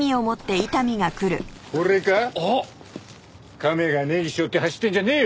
亀がネギしょって走ってんじゃねえよ！